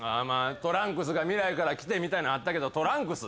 トランクスが未来から来てみたいなのあったけどトランクス？